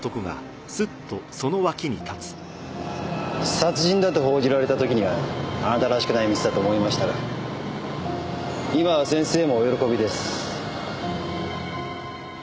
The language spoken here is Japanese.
殺人だと報じられた時にはあなたらしくないミスだと思いましたが今は先生もお喜びです。